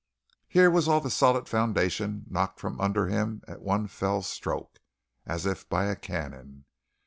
Here was all the solid foundation knocked from under him at one fell stroke, as if by a cannon.